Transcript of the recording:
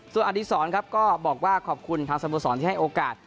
ส่วนอดีศรครับก็บอกว่าขอบคุณทางสโมสรที่ให้โอกาส